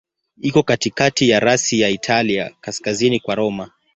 Iko katikati ya rasi ya Italia, kaskazini kwa Roma.